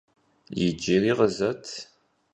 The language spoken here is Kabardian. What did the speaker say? Yicıri khızet!